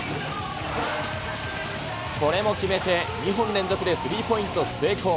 これも決めて２本連続でスリーポイント成功。